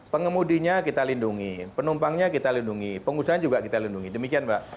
pengemudinya kita lindungi penumpangnya kita lindungi pengusaha juga kita lindungi demikian mbak